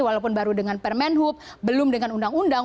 walaupun baru dengan permenhub belum dengan undang undang